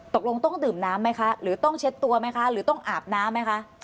ตกลงต้องดื่มน้ำไหมคะหรือต้องเช็ดตัวไหมคะหรือต้องอาบน้ำไหมคะ